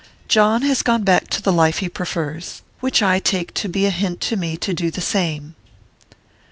"John has gone back to the life he prefers which I take to be a hint to me to do the same."